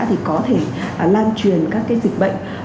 thì có thể lan truyền các cái dịch bệnh